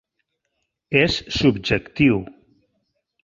És subjectiu.